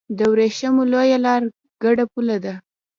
د ورېښمو لویه لار ګډه پوله ده.